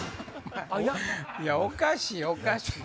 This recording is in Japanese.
おかしいおかしい！